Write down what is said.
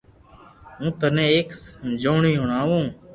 ھون ٿني ايڪ سمجوڻي ھڻاوُ